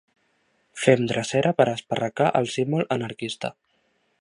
Fem drecera per esparracar el símbol anarquista.